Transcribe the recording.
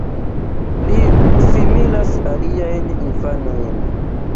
Li similas aliajn infanojn.